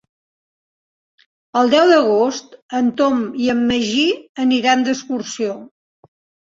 El deu d'agost en Tom i en Magí aniran d'excursió.